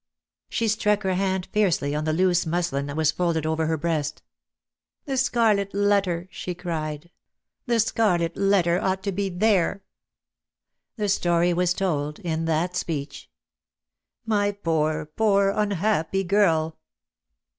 She struck her hand fiercely on the loose muslin that was folded over her breast. "The Scarlet Letter," she cried, "the Scarlet Letter ought to be there." DEAD LOV'E HAS CHAINS. 37 The story was told in that speech. "My poor, poor, unhappy girl!"